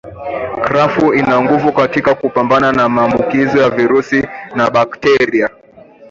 Krafuu ina nguvu katika kupambana na maambukizo ya virusi na bakteria